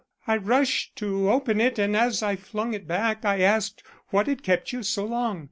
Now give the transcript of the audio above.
I rushed to open it and as I flung it back I asked what had kept you so long.